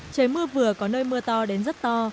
trời mưa vừa có nơi mưa to đến rất to